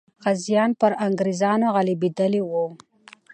غازیان پر انګریزانو غالبېدلې وو.